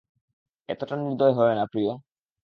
এতোটা নির্দয় হয়ো না, প্রিয়।